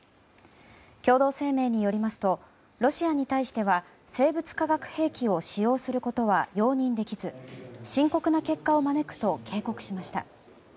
共同声明によりますとロシアに対しては生物・化学兵器を使用することは容認できず深刻な結果を招くと警告しました。